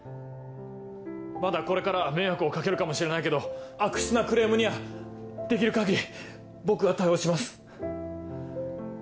まだこれから迷惑を掛けるかもしれないけど悪質なクレームにはできる限り僕が対応します。